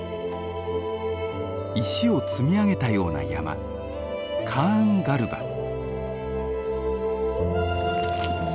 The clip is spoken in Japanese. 石を積み上げたような山カーンガルバ。